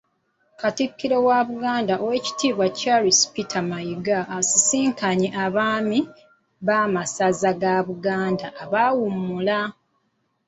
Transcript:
Katikkiro wa Buganda Owek.Charles Peter Mayiga asisinkanye abaami b'amasaza ga Buganda abaawummula.